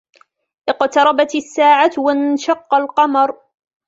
اقْتَرَبَتِ السَّاعَةُ وَانشَقَّ الْقَمَرُ